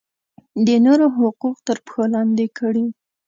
د نورو حقوق تر پښو لاندې کړي.